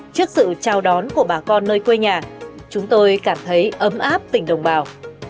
trước sự chào đón của bà con nơi quê nhà chúng tôi cảm thấy ấm áp tình đồng bào